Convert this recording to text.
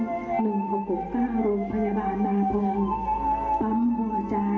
พูดอยู่ในเหตุการณ์โทรแจ้ง๑๖๖๙โรงพยาบาลนาทรงปั๊มหัวใจ